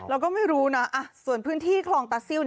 เราก็ไม่รู้นะส่วนพื้นที่คลองตาซิล